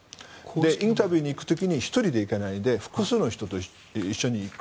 インタビューに行く時に１人で行かないで複数の人と一緒に行く。